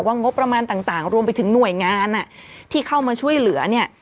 งบประมาณต่างรวมไปถึงหน่วยงานที่เข้ามาช่วยเหลือเนี่ย